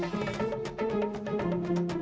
makasih ya si tri